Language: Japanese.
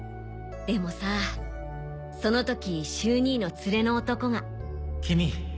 でもさその時秀兄の連れの男が。